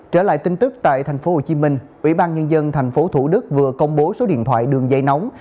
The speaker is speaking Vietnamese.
trở lại tin tức tại tp hcm ủy ban nhân dân tp thủ đức vừa công bố số điện thoại đường dây nóng